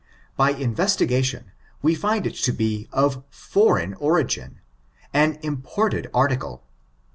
By investigation, yre find it to be of foreign origin^ an imported article.